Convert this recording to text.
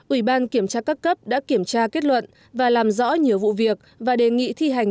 ủy ban kiểm tra các cấp đã kiểm tra kết luận và làm rõ nhiều vụ việc và đề nghị thi hành